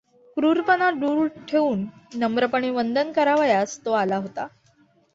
क्रूरपणा दूर ठेवून नम्रपणे वंदन करावयास तो आला होता.